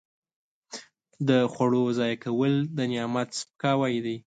د خوړو ضایع کول د نعمت سپکاوی دی.